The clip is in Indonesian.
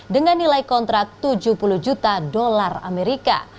dengan nilai kontrak tujuh puluh juta dolar amerika